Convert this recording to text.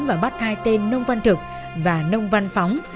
và bắt hai tên nông văn thực và nông văn phóng